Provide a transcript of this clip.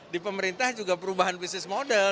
di pemerintah juga perubahan bisnis model